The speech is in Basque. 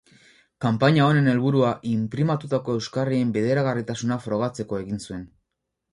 Kanpaina honen helburua inprimatutako euskarrien bideragarritasuna frogatzeko egin zuen.